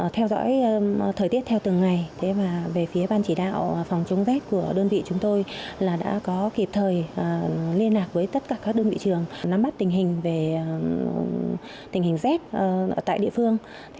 theo dõi thời tiết theo từng ngày về phía ban chỉ đạo phòng chống z của đơn vị chúng tôi là đã có kịp thời liên lạc với tất cả các đơn vị trường nắm bắt tình hình z tại địa phương